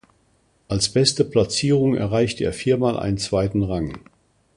Als beste Platzierung erreichte er viermal einen zweiten Rang.